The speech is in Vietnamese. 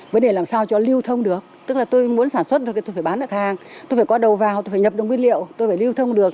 vấn đề là làm sao cho lưu thông được tức là tôi muốn sản xuất được thì tôi phải bán đặt hàng tôi phải có đầu vào tôi phải nhập đồng quyết liệu tôi phải lưu thông được